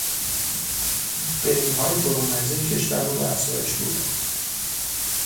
بدهیهای برون مرزی کشور رو به افزایش بود.